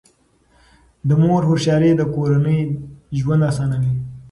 د مور هوښیاري د کورنۍ ژوند اسانوي.